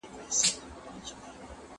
¬ هم ئې پر مخ وهي، هم ئې پر نال وهي.